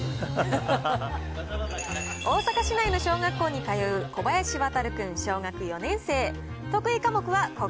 大阪市内の小学校に通う、小林航君小学４年生。